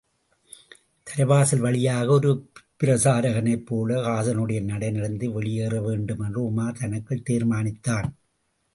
தலைவாசல் வழியாக, ஒரு பிரசாரகனைப்போல ஹாஸானுடைய நடை நடந்து வெளியேறவேண்டும் என்று உமார் தனக்குள் தீர்மானித்தான்.